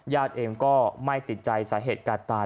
เองก็ไม่ติดใจสาเหตุการณ์ตาย